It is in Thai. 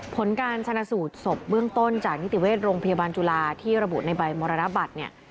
ผลการชนะสูตรศพเบื้องต้นจากนิติเวชโรงพยาบาลจุฬาที่ระบุในใบมรณบัตรเนี่ย